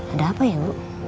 ada apa ya bu